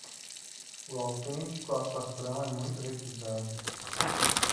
O autêntico açafrão é muito requintado